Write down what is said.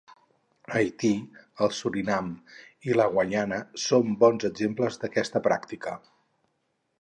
Haití, el Surinam i la Guyana són bons exemples d'aquesta pràctica.